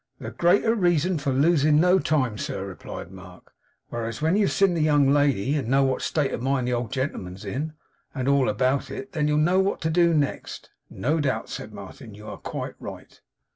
'The greater reason for losing no time, sir,' replied Mark. 'Whereas, when you've seen the young lady; and know what state of mind the old gentleman's in, and all about it; then you'll know what to do next.' 'No doubt,' said Martin. 'You are quite right.